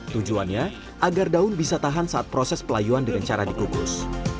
tujuannya agar daun bisa tahan saat proses pelayuan dengan cara dikukus